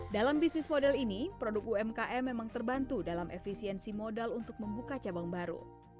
dalam bisnis model ini produk umkm memang terbantu dalam efisiensi modal untuk membuka cabang baru